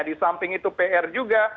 di samping itu pr juga